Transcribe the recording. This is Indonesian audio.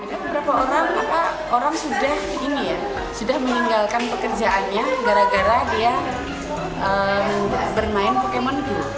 ada beberapa orang sudah meninggalkan pekerjaannya gara gara dia bermain pokemon go